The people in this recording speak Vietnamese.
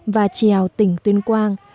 và trèo tỉnh tuyên quang